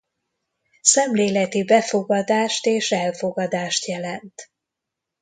Szemléleti befogadást és elfogadást jelent.